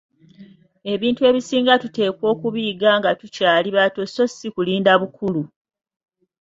Ebintu ebisinga tuteekwa okubiyiga nga tukyali bato so si kulinda bukulu.